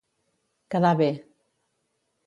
Quedar bé.